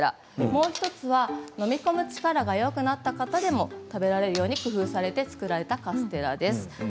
もう１つは飲み込む力が弱くなっている人でも食べられるように工夫して作られたカステラです。